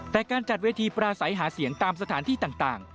แต่การจัดเวทีปราศัยหาเสียงตามสถานที่ต่าง